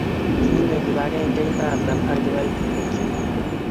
kiinyo kibagengeit nata ak kibaitinik kyi